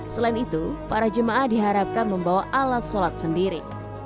selain itu para jemaah diharapkan membawa alat sholat sendiri